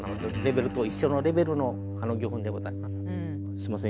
すいません。